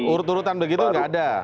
urut urutan begitu nggak ada